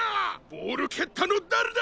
ボールけったのだれだ！？